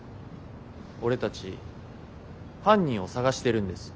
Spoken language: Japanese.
俺たち犯人を捜してるんです。